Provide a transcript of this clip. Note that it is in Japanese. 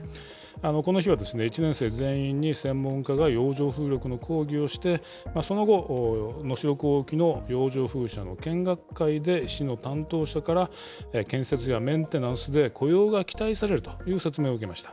この日は、１年生全員に専門家が洋上風力の講義をして、その後、能代港沖の洋上風車の見学会で、市の担当者から、建設やメンテナンスで雇用が期待されるという説明を受けました。